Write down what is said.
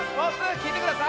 きいてください！